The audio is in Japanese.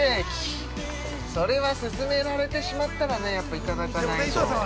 ◆それは勧められてしまったらねやっぱ、いただかないと。